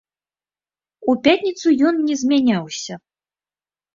У пятніцу ён не змяняўся.